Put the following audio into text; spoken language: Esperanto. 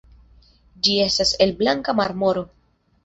Ĝi estas el blanka marmoro.